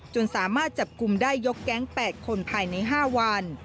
จนสามารถจับกลุ่มได้ยกแก๊ง๘คนภายใน๕วัน